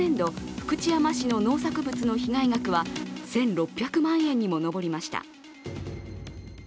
福知山市の農作物の被害額は１６００万円にも上りました。